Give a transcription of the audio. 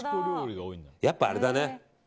やっぱ、あれだね。